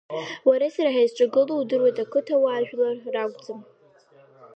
Уареи сареи ҳазҿагылоу, иудыруеит, ақырҭуа жәлар ракәӡам.